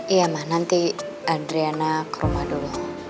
iya mah nanti adriana ke rumah dulu